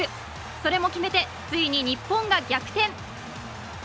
それも決めてついに日本が逆転。